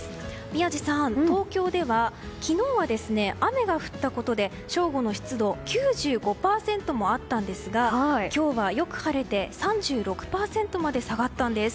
宮司さん、東京では昨日は雨が降ったことで正午の湿度９５％もあったんですが今日はよく晴れて３６％まで下がったんです。